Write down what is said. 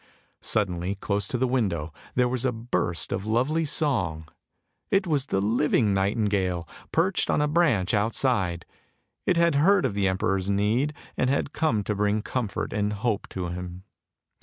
Suddenly, close to the window, there was a burst of lovely song; it was the living nightingale, perched on a branch outside. It had heard of the emperor's need, and had come to bring com fort and hope to him.